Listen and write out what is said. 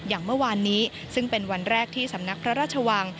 อย่างวันวันนี้เป็นวันแรกสำนักพระรัชวัง